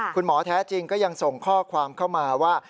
คุณหมอแท้จริงก็ยังส่งข้อความเข้ามาว่า